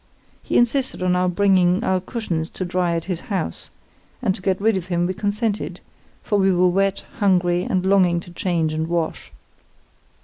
He insisted on our bringing our cushions to dry at his house, and to get rid of him we consented, for we were wet, hungry, and longing to change and wash.